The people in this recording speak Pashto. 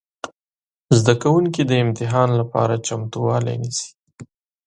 زده کوونکي د امتحان لپاره چمتووالی نیسي.